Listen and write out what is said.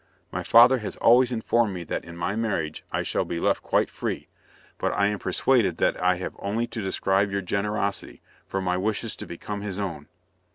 My father has always informed me that in my marriage I shall be left quite free, but I am persuaded that I have only to describe your generosity, for my wishes to become his own."